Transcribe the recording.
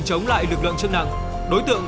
chống lại lực lượng chức nặng đối tượng